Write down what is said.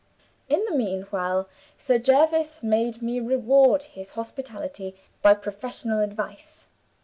In the meanwhile, Sir Jervis made me reward his hospitality by professional advice.